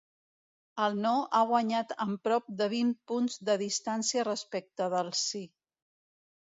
El no ha guanyat amb prop de vint punts de distància respecte del sí.